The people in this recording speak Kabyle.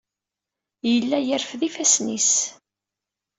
Yella yerfed ifassen-is.